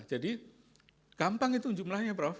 jadi gampang itu jumlahnya prof